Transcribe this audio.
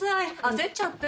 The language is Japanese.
焦っちゃって。